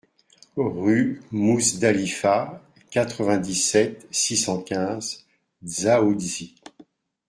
Rue Mouzdalifa, quatre-vingt-dix-sept, six cent quinze Dzaoudzi